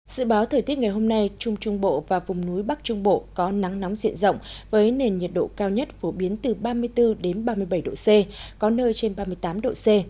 dự báo thời tiết ngày hôm nay trung trung bộ và vùng núi bắc trung bộ có nắng nóng diện rộng với nền nhiệt độ cao nhất phổ biến từ ba mươi bốn ba mươi bảy độ c có nơi trên ba mươi tám độ c